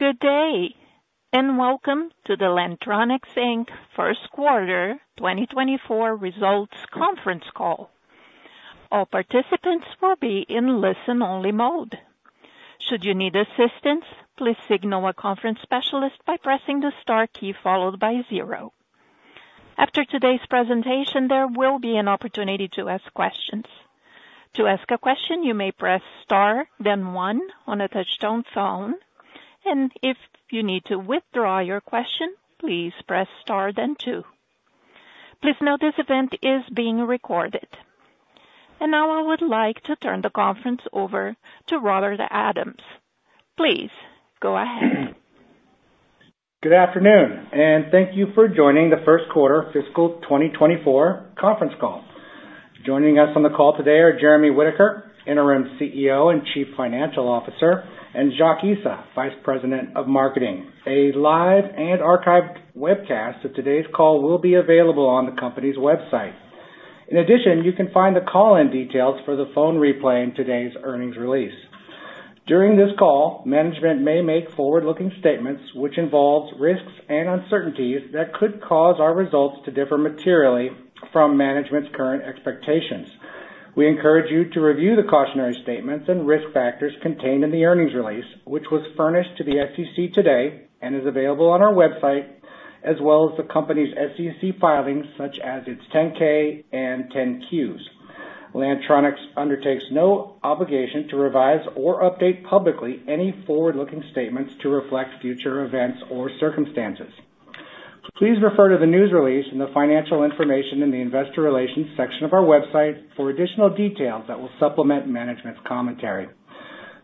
Good day, and welcome to the Lantronix, Inc. first quarter 2024 results conference call. All participants will be in listen-only mode. Should you need assistance, please signal a conference specialist by pressing the star key followed by zero. After today's presentation, there will be an opportunity to ask questions. To ask a question, you may press Star, then one on a touchtone phone, and if you need to withdraw your question, please press Star, then two. Please note this event is being recorded. Now I would like to turn the conference over to Robert Adams. Please go ahead. Good afternoon, and thank you for joining the first quarter fiscal 2024 conference call. Joining us on the call today are Jeremy Whitaker, Interim CEO and Chief Financial Officer, and Jacques Issa, Vice President of Marketing. A live and archived webcast of today's call will be available on the company's website. In addition, you can find the call-in details for the phone replay in today's earnings release. During this call, management may make forward-looking statements which involve risks and uncertainties that could cause our results to differ materially from management's current expectations. We encourage you to review the cautionary statements and risk factors contained in the earnings release, which was furnished to the SEC today and is available on our website, as well as the company's SEC filings, such as its 10-K and 10-Qs. Lantronix undertakes no obligation to revise or update publicly any forward-looking statements to reflect future events or circumstances. Please refer to the news release and the financial information in the investor relations section of our website for additional details that will supplement management's commentary.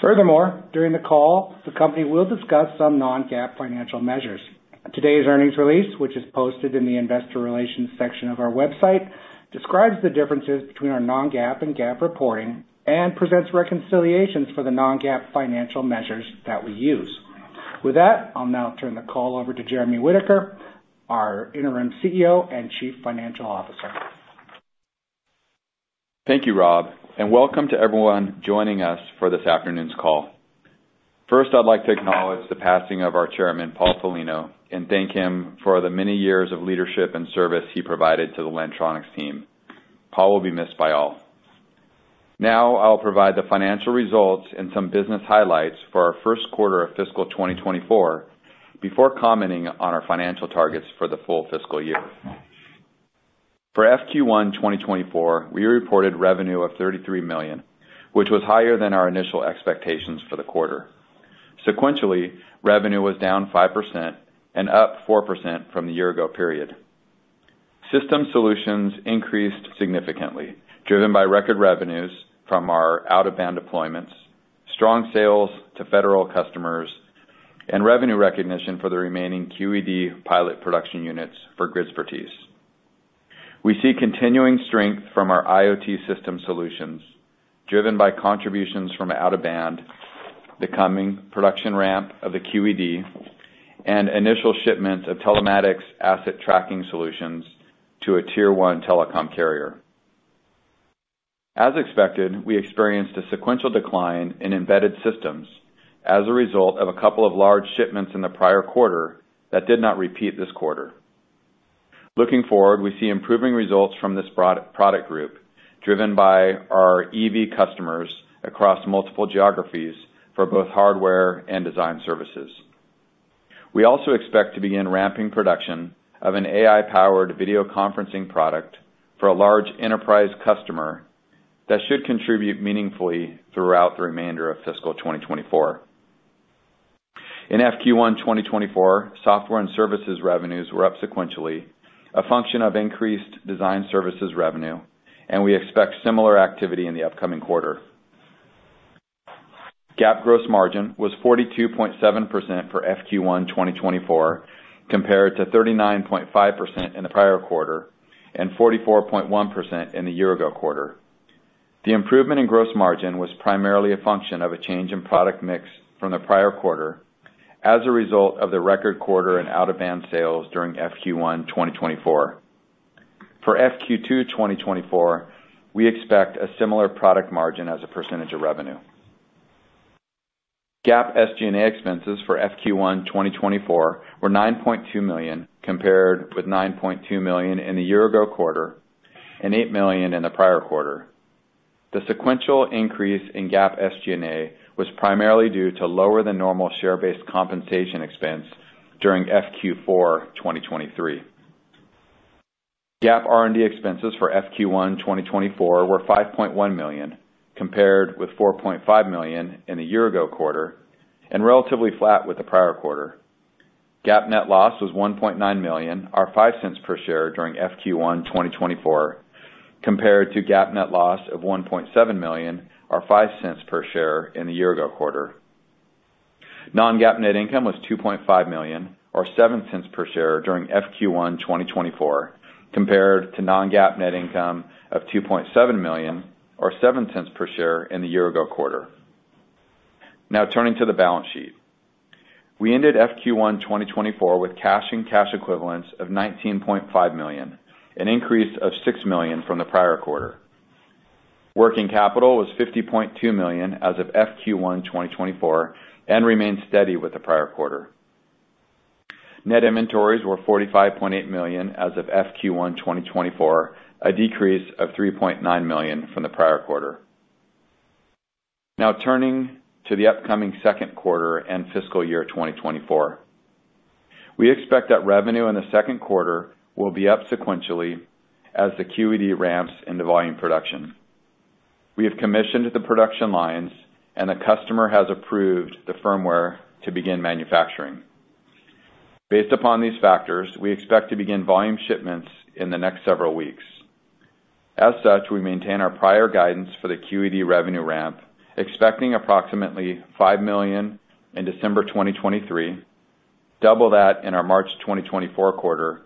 Furthermore, during the call, the company will discuss some non-GAAP financial measures. Today's earnings release, which is posted in the investor relations section of our website, describes the differences between our non-GAAP and GAAP reporting and presents reconciliations for the non-GAAP financial measures that we use. With that, I'll now turn the call over to Jeremy Whitaker, our Interim CEO and Chief Financial Officer. Thank you, Rob, and welcome to everyone joining us for this afternoon's call. First, I'd like to acknowledge the passing of our chairman, Paul Folino, and thank him for the many years of leadership and service he provided to the Lantronix team. Paul will be missed by all. Now, I'll provide the financial results and some business highlights for our first quarter of fiscal 2024, before commenting on our financial targets for the full fiscal year. For FQ1 2024, we reported revenue of $33 million, which was higher than our initial expectations for the quarter. Sequentially, revenue was down 5% and up 4% from the year ago period. System solutions increased significantly, driven by record revenues from our out-of-band deployments, strong sales to federal customers, and revenue recognition for the remaining QEd pilot production units for Gridspertise. We see continuing strength from our IoT system solutions, driven by contributions from out-of-band, the coming production ramp of the QEd, and initial shipments of telematics asset tracking solutions to a tier one telecom carrier. As expected, we experienced a sequential decline in embedded systems as a result of a couple of large shipments in the prior quarter that did not repeat this quarter. Looking forward, we see improving results from this product group, driven by our EV customers across multiple geographies for both hardware and design services. We also expect to begin ramping production of an AI-powered video conferencing product for a large enterprise customer that should contribute meaningfully throughout the remainder of fiscal 2024. In FQ1 2024, software and services revenues were up sequentially, a function of increased design services revenue, and we expect similar activity in the upcoming quarter. GAAP gross margin was 42.7% for FQ1 2024, compared to 39.5% in the prior quarter and 44.1% in the year ago quarter. The improvement in gross margin was primarily a function of a change in product mix from the prior quarter as a result of the record quarter in out-of-band sales during FQ1 2024. For FQ2 2024, we expect a similar product margin as a percentage of revenue. GAAP SG&A expenses for FQ1 2024 were $9.2 million, compared with $9.2 million in the year ago quarter and $8 million in the prior quarter. The sequential increase in GAAP SG&A was primarily due to lower than normal share-based compensation expense during FQ4 2023. GAAP R&D expenses for FQ1 2024 were $5.1 million, compared with $4.5 million in the year ago quarter and relatively flat with the prior quarter. GAAP net loss was $1.9 million, or $0.05 per share during FQ1 2024, compared to GAAP net loss of $1.7 million, or $0.05 per share in the year ago quarter. Non-GAAP net income was $2.5 million, or $0.07 per share during FQ1 2024, compared to non-GAAP net income of $2.7 million, or $0.07 per share in the year ago quarter. Now, turning to the balance sheet. We ended FQ1 2024 with cash and cash equivalents of $19.5 million, an increase of $6 million from the prior quarter. Working capital was $50.2 million as of FQ1 2024, and remained steady with the prior quarter. Net inventories were $45.8 million as of FQ1 2024, a decrease of $3.9 million from the prior quarter. Now, turning to the upcoming second quarter and fiscal year 2024. We expect that revenue in the second quarter will be up sequentially as the QEd ramps into volume production. We have commissioned the production lines, and the customer has approved the firmware to begin manufacturing. Based upon these factors, we expect to begin volume shipments in the next several weeks. As such, we maintain our prior guidance for the QEd revenue ramp, expecting approximately $5 million in December 2023, double that in our March 2024 quarter,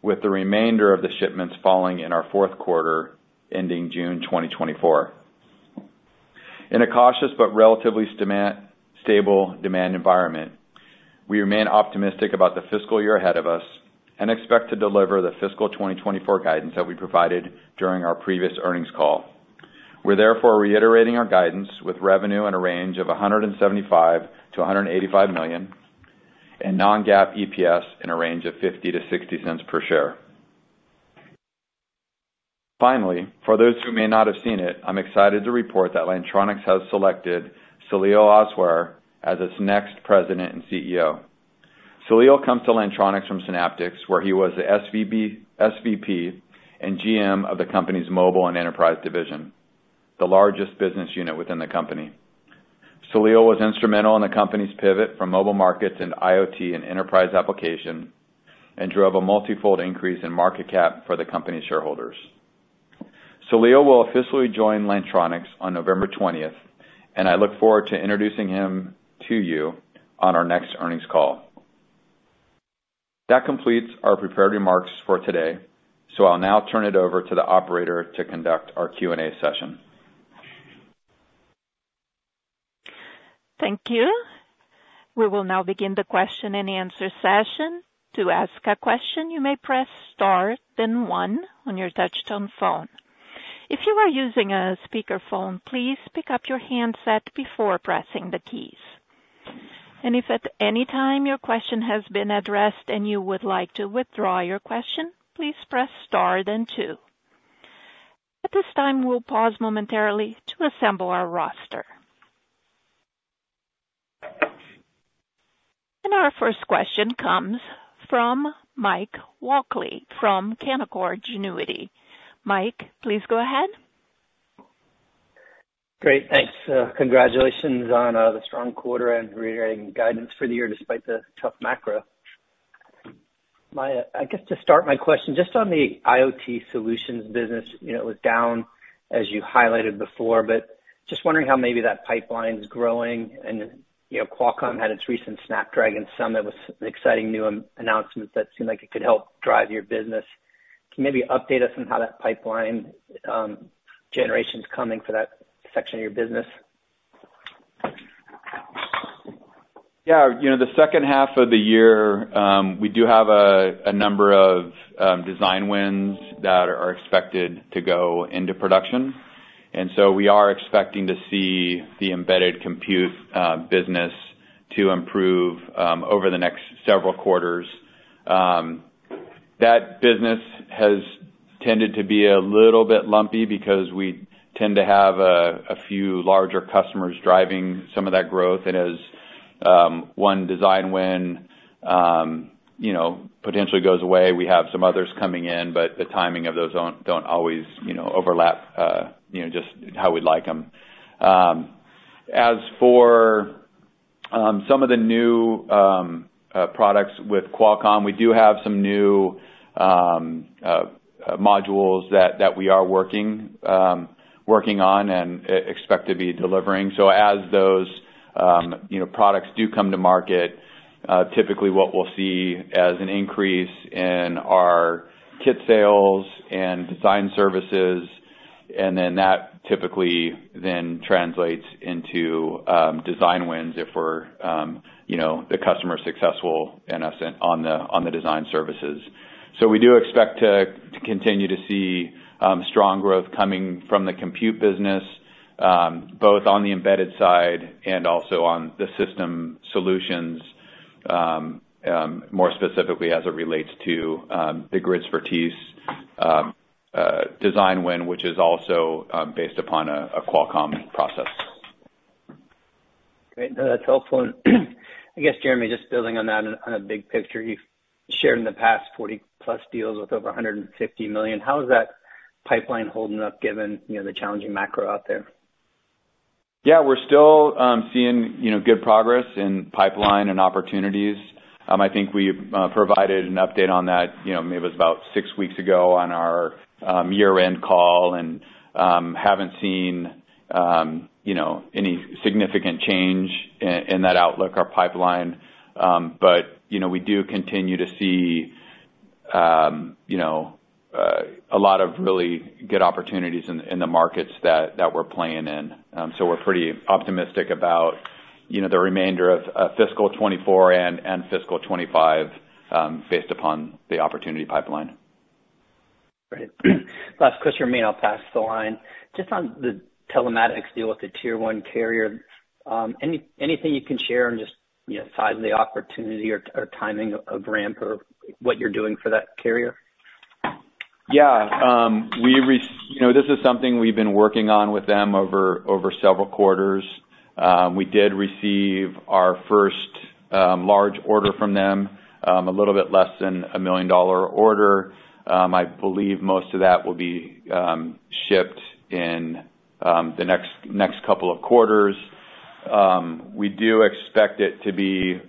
with the remainder of the shipments falling in our fourth quarter, ending June 2024. In a cautious but relatively stable demand environment, we remain optimistic about the fiscal year ahead of us and expect to deliver the fiscal 2024 guidance that we provided during our previous earnings call. We're therefore reiterating our guidance with revenue in a range of $175 million-$185 million, and non-GAAP EPS in a range of 50-60 cents per share. Finally, for those who may not have seen it, I'm excited to report that Lantronix has selected Saleel Awsare as its next president and CEO. Saleel comes to Lantronix from Synaptics, where he was the SVP and GM of the company's mobile and enterprise division, the largest business unit within the company. Saleel was instrumental in the company's pivot from mobile markets and IoT and enterprise application, and drove a multifold increase in market cap for the company's shareholders. Saleel will officially join Lantronix on November twentieth, and I look forward to introducing him to you on our next earnings call. That completes our prepared remarks for today, so I'll now turn it over to the operator to conduct our Q&A session. Thank you. We will now begin the question-and-answer session. To ask a question, you may press Star, then One on your touchtone phone. If you are using a speakerphone, please pick up your handset before pressing the keys. If at any time your question has been addressed and you would like to withdraw your question, please press Star then Two. At this time, we'll pause momentarily to assemble our roster. Our first question comes from Mike Walkley from Canaccord Genuity. Mike, please go ahead. Great, thanks. Congratulations on the strong quarter and reiterating guidance for the year, despite the tough macro. My, I guess to start my question, just on the IoT solutions business, you know, it was down, as you highlighted before, but just wondering how maybe that pipeline's growing. You know, Qualcomm had its recent Snapdragon Summit with some exciting new announcements that seemed like it could help drive your business. Can you maybe update us on how that pipeline generation's coming for that section of your business? Yeah, you know, the second half of the year, we do have a number of design wins that are expected to go into production, and so we are expecting to see the embedded compute business to improve over the next several quarters. That business has tended to be a little bit lumpy because we tend to have a few larger customers driving some of that growth. And as one design win, you know, potentially goes away, we have some others coming in, but the timing of those don't always, you know, overlap, you know, just how we'd like them. As for some of the new products with Qualcomm, we do have some new modules that we are working on and expect to be delivering. So as those, you know, products do come to market, typically what we'll see as an increase in our kit sales and design services, and then that typically then translates into, design wins if we're, you know, the customer's successful in essence on the, on the design services. So we do expect to, to continue to see, strong growth coming from the compute business, both on the embedded side and also on the system solutions, more specifically as it relates to, the Gridspertise, design win, which is also, based upon a, a Qualcomm processor. Great. That's helpful. I guess, Jeremy, just building on that, on a big picture, you've shared in the past 40-plus deals with over $150 million. How is that pipeline holding up, given, you know, the challenging macro out there? Yeah, we're still seeing, you know, good progress in pipeline and opportunities. I think we've provided an update on that, you know, maybe it was about six weeks ago on our year-end call, and haven't seen, you know, any significant change in, in that outlook, our pipeline. But, you know, we do continue to see, you know, a lot of really good opportunities in, in the markets that, that we're playing in. So we're pretty optimistic about, you know, the remainder of fiscal 2024 and fiscal 2025, based upon the opportunity pipeline. Great. Last question for me, I'll pass the line. Just on the telematics deal with the Tier One carrier, anything you can share on just, you know, size of the opportunity or, or timing of ramp or what you're doing for that carrier? Yeah, you know, this is something we've been working on with them over several quarters. We did receive our first large order from them, a little bit less than a $1 million order. I believe most of that will be shipped in the next couple of quarters. We do expect it to be,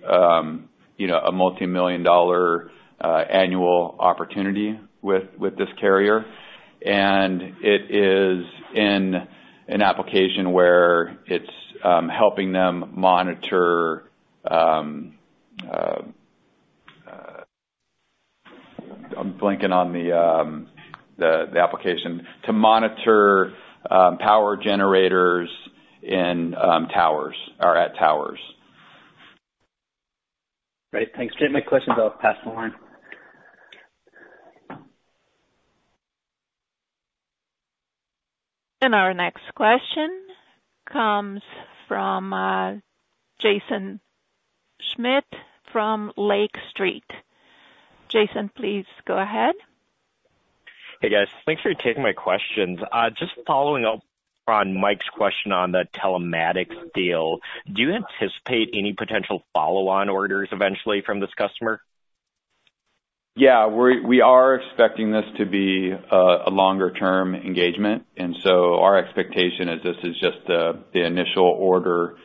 you know, a $multi-million-dollar annual opportunity with this carrier, and it is in an application where it's helping them monitor. I'm blanking on the application. To monitor power generators in towers or at towers. Great, thanks. My questions are passed online. Our next question comes from Jaeson Schmidt, from Lake Street. Jason, please go ahead. Hey, guys. Thanks for taking my questions. Just following up on Mike's question on the telematics deal, do you anticipate any potential follow-on orders eventually from this customer? Yeah, we are expecting this to be a longer-term engagement, and so our expectation is this is just the initial order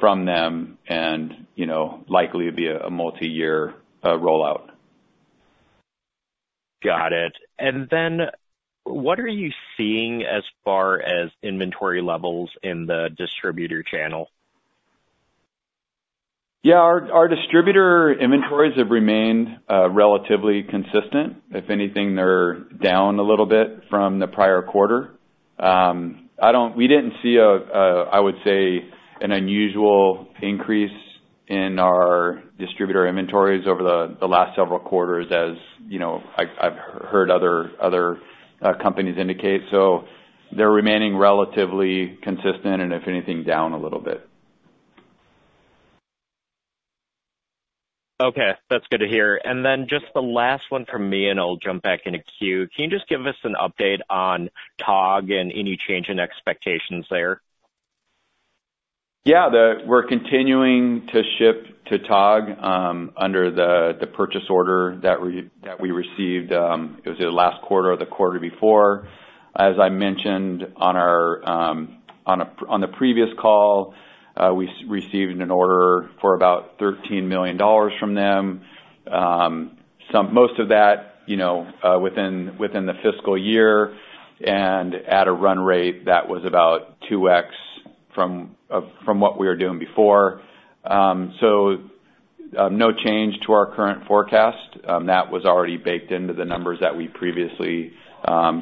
from them and, you know, likely be a multiyear rollout. Got it. And then what are you seeing as far as inventory levels in the distributor channel? Yeah, our distributor inventories have remained relatively consistent. If anything, they're down a little bit from the prior quarter. We didn't see, I would say, an unusual increase in our distributor inventories over the last several quarters, as you know. I've heard other companies indicate. So they're remaining relatively consistent, and if anything, down a little bit. Okay, that's good to hear. And then just the last one from me, and I'll jump back in the queue. Can you just give us an update on Togg and any change in expectations there? Yeah, we're continuing to ship to Togg under the purchase order that we received. It was either last quarter or the quarter before. As I mentioned on our previous call, we received an order for about $13 million from them. Most of that, you know, within the fiscal year and at a run rate that was about 2x from what we were doing before. So, no change to our current forecast. That was already baked into the numbers that we previously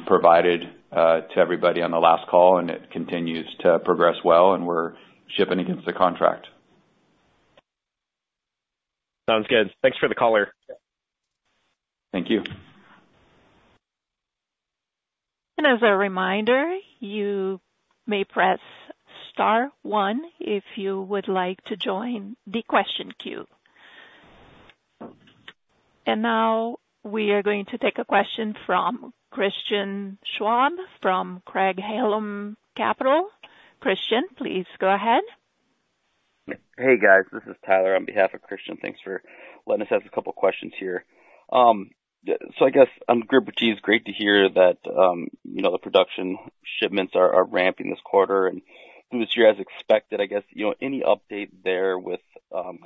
provided to everybody on the last call, and it continues to progress well, and we're shipping against the contract. Sounds good. Thanks for the color. Thank you. As a reminder, you may press star one if you would like to join the question queue. Now we are going to take a question from Christian Schwab from Craig-Hallum Capital. Christian, please go ahead. Hey, guys, this is Tyler on behalf of Christian. Thanks for letting us ask a couple of questions here. So I guess on Gridspertise, it's great to hear that, you know, the production shipments are ramping this quarter and through this year as expected. I guess, you know, any update there with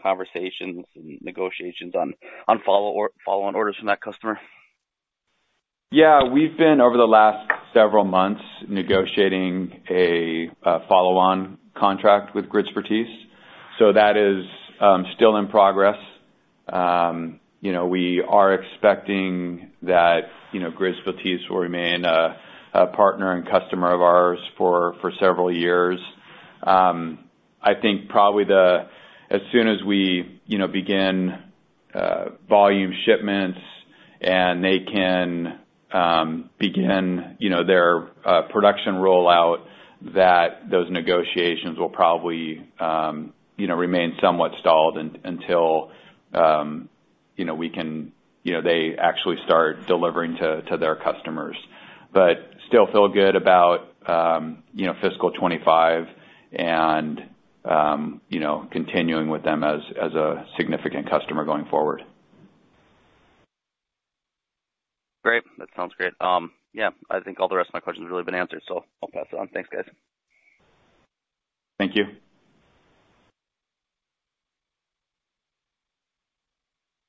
conversations and negotiations on follow or follow-on orders from that customer? Yeah, we've been, over the last several months, negotiating a follow-on contract with Gridspertise, so that is still in progress. You know, we are expecting that, you know, Gridspertise will remain a partner and customer of ours for several years. I think probably the- as soon as we, you know, begin volume shipments and they can begin, you know, their production rollout, that those negotiations will probably, you know, remain somewhat stalled until, you know, we can... You know, they actually start delivering to their customers. But still feel good about, you know, fiscal 2025 and, you know, continuing with them as a significant customer going forward. Great, that sounds great. Yeah, I think all the rest of my questions have really been answered, so I'll pass it on. Thanks, guys. Thank you.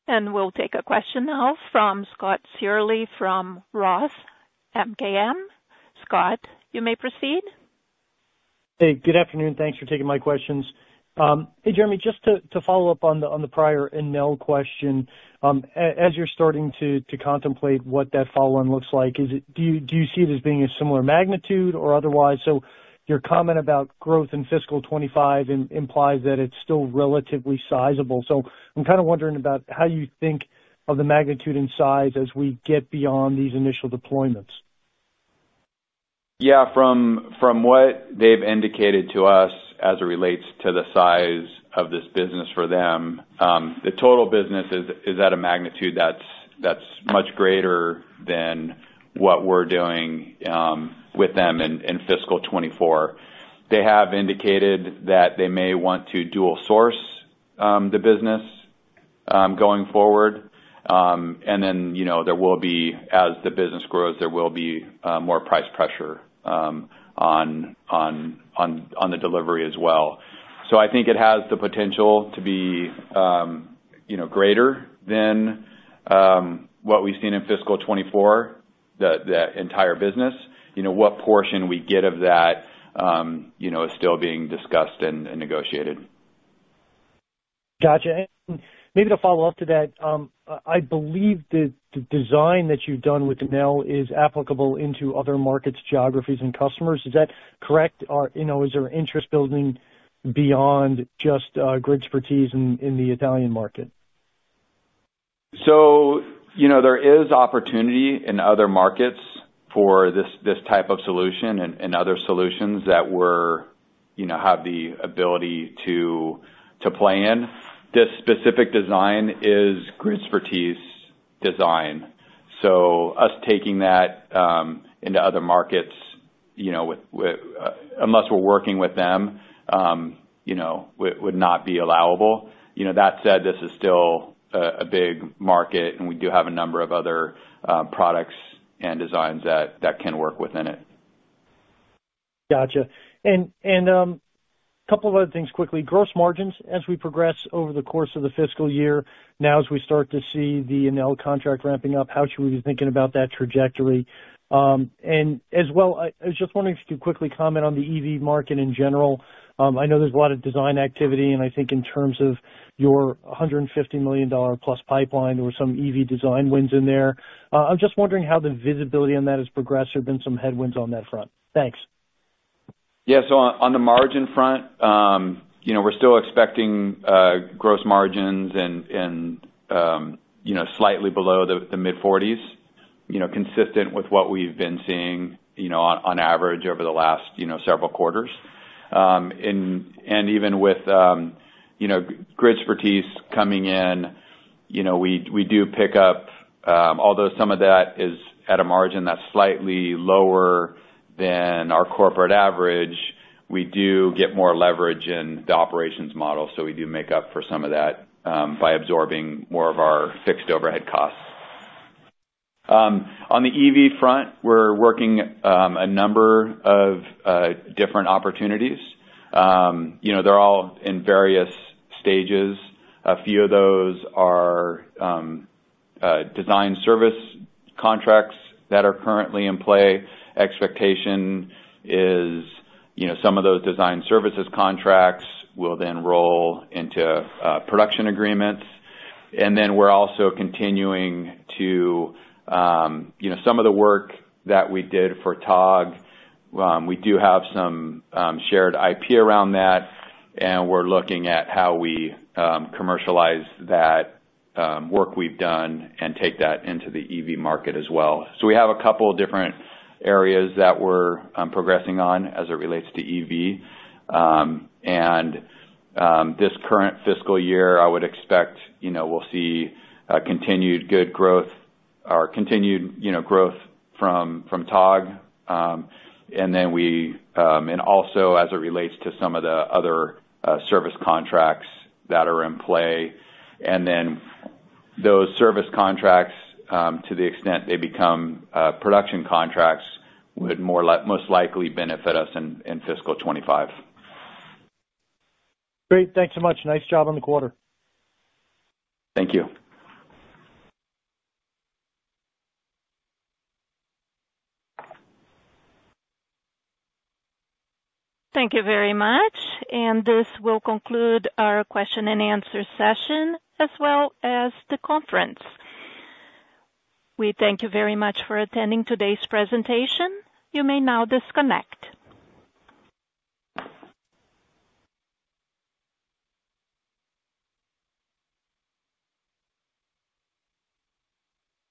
We'll take a question now from Scott Searle from Roth MKM. Scott, you may proceed. Hey, good afternoon. Thanks for taking my questions. Hey, Jeremy, just to follow up on the prior Enel question, as you're starting to contemplate what that follow-on looks like, is it—do you see it as being a similar magnitude or otherwise? So your comment about growth in fiscal 2025 implies that it's still relatively sizable. So I'm kind of wondering about how you think of the magnitude and size as we get beyond these initial deployments. Yeah, from what they've indicated to us as it relates to the size of this business for them, the total business is at a magnitude that's much greater than what we're doing with them in fiscal 2024. They have indicated that they may want to dual source the business going forward. And then, you know, there will be, as the business grows, there will be more price pressure on the delivery as well. So I think it has the potential to be, you know, greater than what we've seen in fiscal 2024, the entire business. You know, what portion we get of that, you know, is still being discussed and negotiated. Gotcha. And maybe to follow up to that, I believe the design that you've done with Enel is applicable into other markets, geographies, and customers. Is that correct? Or, you know, is there interest building beyond just Gridspertise in the Italian market? So, you know, there is opportunity in other markets for this, this type of solution and other solutions that we're, you know, have the ability to play in. This specific design is Gridspertise design. So us taking that into other markets, you know, with, unless we're working with them, you know, would not be allowable. You know, that said, this is still a big market, and we do have a number of other products and designs that can work within it. Gotcha. And, couple of other things quickly. Gross margins as we progress over the course of the fiscal year, now, as we start to see the Enel contract ramping up, how should we be thinking about that trajectory? And as well, I was just wondering if you could quickly comment on the EV market in general. I know there's a lot of design activity, and I think in terms of your $150 million+ pipeline, there were some EV design wins in there. I'm just wondering how the visibility on that has progressed. There have been some headwinds on that front. Thanks. Yeah. So on the margin front, you know, we're still expecting gross margins and, you know, slightly below the mid-forties, you know, consistent with what we've been seeing, you know, on average over the last several quarters. And even with, you know, Gridspertise coming in, you know, we do pick up... although some of that is at a margin that's slightly lower than our corporate average, we do get more leverage in the operations model, so we do make up for some of that by absorbing more of our fixed overhead costs. On the EV front, we're working a number of different opportunities. You know, they're all in various stages. A few of those are design service contracts that are currently in play. Expectation is, you know, some of those design services contracts will then roll into production agreements. And then we're also continuing to, you know, some of the work that we did for Togg, we do have some shared IP around that, and we're looking at how we commercialize that work we've done and take that into the EV market as well. So we have a couple of different areas that we're progressing on as it relates to EV. And this current fiscal year, I would expect, you know, we'll see continued good growth or continued, you know, growth from Togg. And then we, and also as it relates to some of the other service contracts that are in play, and then those service contracts, to the extent they become production contracts, would most likely benefit us in fiscal 2025. Great. Thanks so much. Nice job on the quarter. Thank you. Thank you very much, and this will conclude our question-and-answer session as well as the conference. We thank you very much for attending today's presentation. You may now disconnect.